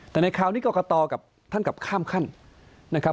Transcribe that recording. แต่ในคราวนี้กรกตกับท่านกลับข้ามขั้นนะครับ